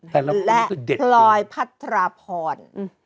และพลอยพัทรพร